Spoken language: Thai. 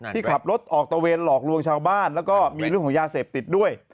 ที่ขับรถออกตะเวนหลอกลวงชาวบ้านแล้วก็มีเรื่องของยาเสพติดด้วย